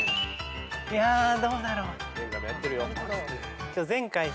いやどうだろう？